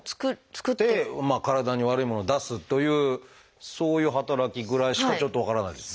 作って体に悪いものを出すというそういう働きぐらいしかちょっと分からないですが。